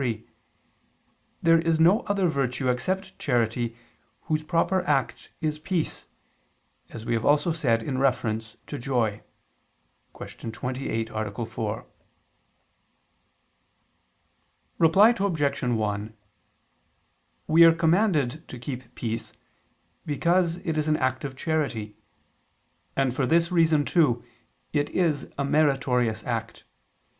3), there is no other virtue except charity whose proper act is peace, as we have also said in reference to joy (Q. 28, A. 4). Reply Obj. 1: We are commanded to keep peace because it is an act of charity; and for this reason too it is a meritorious act.